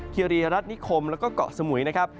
คีรีรัฐนิคมแล้วก็เกาะสมุยนะครับ